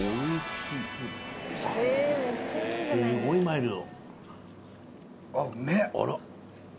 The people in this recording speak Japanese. すごいマイルド。